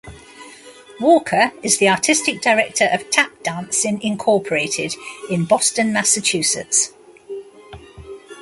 Walker is the Artistic Director of TapDancin, Incorporated in Boston, Massachusetts.